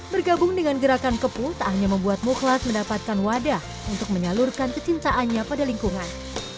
bergabung dengan gerakan kepuh tak hanya membuat mukhlak mendapatkan wadah untuk menyalurkan kecintaannya pada lingkungan